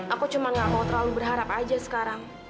aku cuma gak mau terlalu berharap aja sekarang